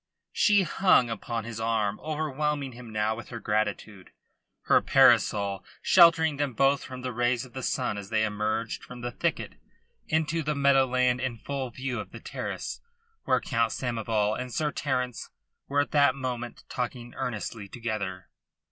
She hung upon his arm, overwhelming him now with her gratitude, her parasol sheltering them both from the rays of the sun as they emerged from the thicket intro the meadowland in full view of the terrace where Count Samoval and Sir Terence were at that moment talking earnestly together.